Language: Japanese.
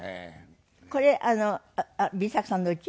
これＢ作さんのうち？